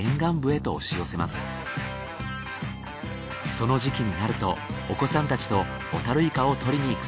その時期になるとお子さんたちとホタルイカを獲りに行くそうです。